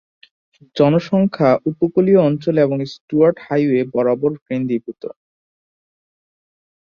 জনসংখ্যা উপকূলীয় অঞ্চলে এবং স্টুয়ার্ট হাইওয়ে বরাবর কেন্দ্রীভূত।